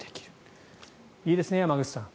いいですね、山口さん。